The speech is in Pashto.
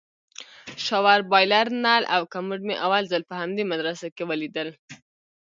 شاور بايلر نل او کموډ مې اول ځل په همدې مدرسه کښې وليدل.